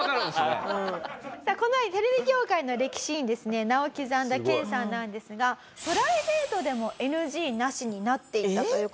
さあこのようにテレビ業界の歴史にですね名を刻んだ研さんなんですがプライベートでもＮＧなしになっていったという事なんです。